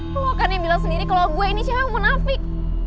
lo kan yang bilang sendiri kalo gue ini cewek munafik